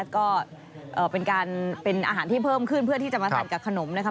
ก็เป็นอาหารที่เพิ่มขึ้นเพื่อที่จะมาทานกับขนมนะคะ